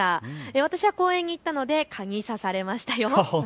私は公園に行ったので蚊に刺されましたよ。